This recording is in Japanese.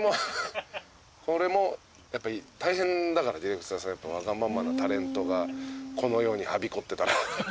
これもやっぱ大変だからディレクターさんわがままなタレントがこの世にはびこってたら。